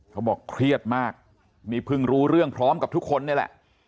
เขาบอกเครียดมากนี่เพิ่งรู้เรื่องพร้อมกับทุกคนนี่แหละ